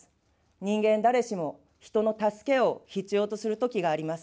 人間誰しも、人の助けを必要とするときがあります。